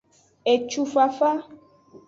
Ecufafa.